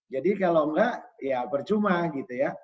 jadi kalau enggak ya percuma gitu ya